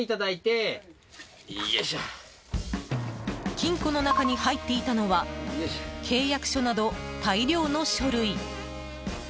金庫の中に入っていたのは契約書など大量の書類。